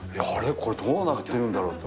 これどうなってるんだろうと。